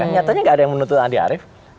nyatanya gak ada yang menuntut andi arief